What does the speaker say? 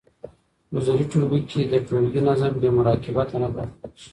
حضوري ټولګي کي ټولګي نظم بې مراقبت نه پاتې کيږي.